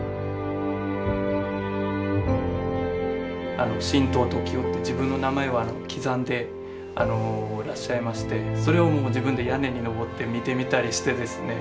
あの「シントウトキヲ」って自分の名前を刻んでらっしゃいましてそれをもう自分で屋根に登って見てみたりしてですね。